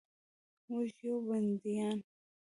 موږ یو بندیان